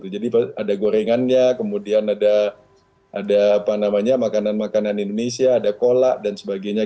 jadi ada gorengannya kemudian ada makanan makanan indonesia ada cola dan sebagainya